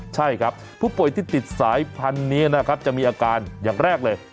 ใช่ครับผู้ป่วยที่ติดสายพันธุ์นี้นะครับจะมีอาการอย่างแรกเลย